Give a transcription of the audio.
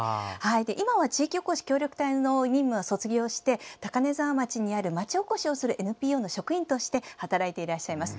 今は地域おこし協力隊の任務は卒業して高根沢町にある町おこしをするＮＰＯの職員として働いています。